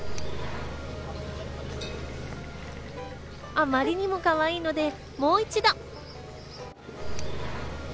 あまりにもかわいいので、もう一度！